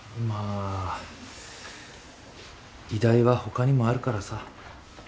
まあ医大は他にもあるからさ。